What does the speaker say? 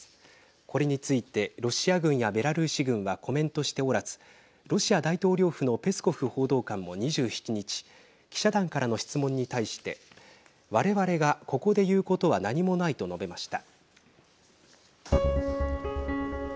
これについてロシア軍やベラルーシ軍はコメントしておらずロシア大統領府のペスコフ報道官も２７日記者団からの質問に対して我々がここで言うことは何もないと述べました。